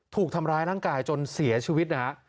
ถูกทำร้ายร่างกายจนเสียชีวิตนะฮะ